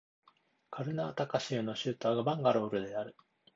カルナータカ州の州都はバンガロールである